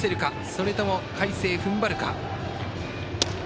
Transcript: それとも海星、ふんばるか。